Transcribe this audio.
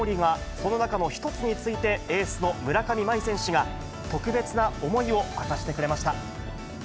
その中の一つについて、エースの村上茉愛選手が、特別な思いを明かしてくれました。